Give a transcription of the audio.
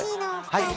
はい。